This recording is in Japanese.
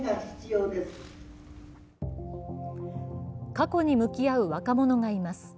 過去に向き合う若者がいます。